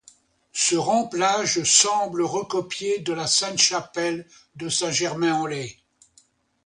Ce remplage semble recopié sur la Sainte-Chapelle de Saint-Germain-en-Laye.